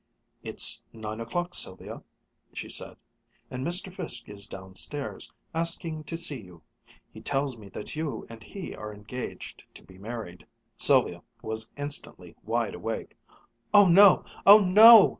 "It's nine o'clock, Sylvia," she said, "and Mr. Fiske is downstairs, asking to see you. He tells me that you and he are engaged to be married." Sylvia was instantly wide awake. "Oh no! Oh no!"